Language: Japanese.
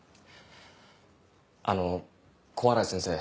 あの小洗先生。